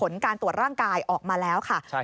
มีโดยมี